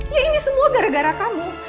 ya ini semua gara gara kamu